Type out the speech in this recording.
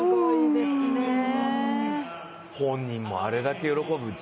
本人もあれだけ喜ぶよ。